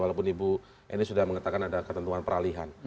walaupun ibu eni sudah mengatakan ada ketentuan peralihan